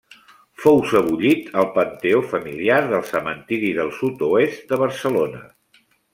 Fou sebollit al panteó familiar del Cementiri del Sud-oest de Barcelona.